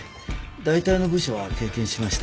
だいたいの部署は経験しました。